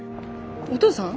お父さん？